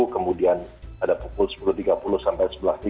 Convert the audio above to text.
kemudian ada pukul sepuluh tiga puluh sampai sebelas tiga puluh